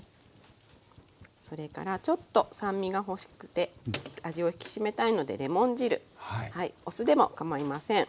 それからちょっと酸味が欲しくて味を引き締めたいのでレモン汁お酢でもかまいません。